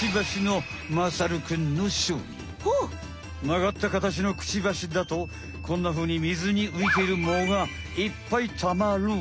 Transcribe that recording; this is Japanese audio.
まがったかたちのクチバシだとこんなふうに水に浮いている藻がいっぱいたまる。